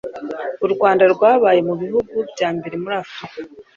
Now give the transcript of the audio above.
u rwanda rwabaye mu bihugu bya mbere muri afurika